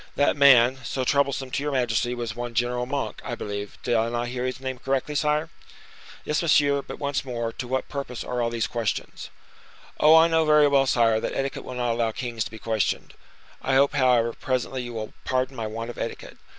That man so troublesome to your majesty was one General Monk, I believe; did I not hear his name correctly, sire?" "Yes, monsieur, but once more, to what purpose are all these questions." "Oh! I know very well, sire, that etiquette will not allow kings to be questioned. I hope, however, presently you will pardon my want of etiquette.